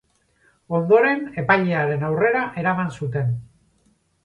Ondoren epailearen aurrera eraman zuten.